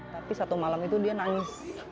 tapi satu malam itu dia nangis